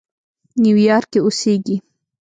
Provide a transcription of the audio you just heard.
نیویارک کې اوسېږي.